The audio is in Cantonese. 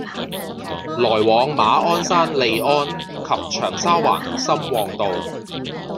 來往馬鞍山（利安）及長沙灣（深旺道），